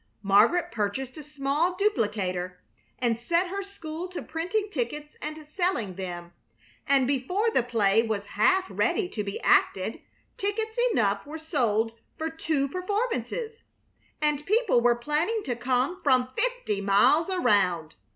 Margaret purchased a small duplicator and set her school to printing tickets and selling them, and before the play was half ready to be acted tickets enough were sold for two performances, and people were planning to come from fifty miles around.